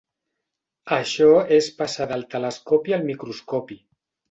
Això és passar del telescopi al microscopi.